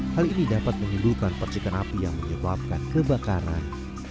hal ini dapat mengindulkan persikan api yang menyebabkan kebakaran